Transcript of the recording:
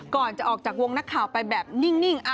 ก่อนจะออกจากวงนักข่าวไปแบบนิ่ง